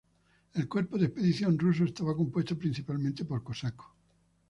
El cuerpo de expedición ruso estaba compuesto principalmente por cosacos.